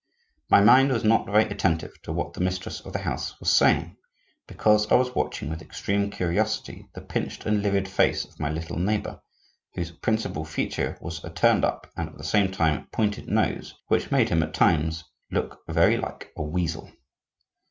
My mind was not very attentive to what the mistress of the house was saying, because I was watching with extreme curiosity the pinched and livid face of my little neighbor, whose principal feature was a turned up and at the same time pointed nose, which made him, at times, look very like a weasel.